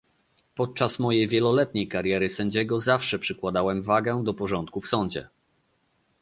Podczas mojej wieloletniej kariery sędziego zawsze przykładałam wagę do porządku w sądzie